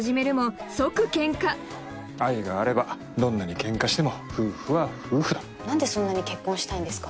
愛があればどんなにケンカしても夫婦は夫婦だなんでそんなに結婚したいんですか